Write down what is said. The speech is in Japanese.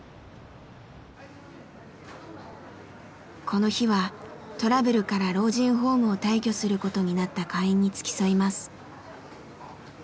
この日はトラブルから老人ホームを退去することになった会員に付き添います。